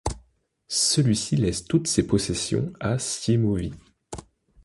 Celui-ci laisse toutes ses possessions à Siemovit.